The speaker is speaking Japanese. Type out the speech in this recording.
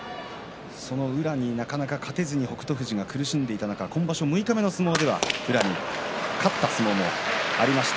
その宇良になかなか勝てずに北勝富士が苦しんでいた中今場所、六日目の相撲では宇良に勝った相撲もありました。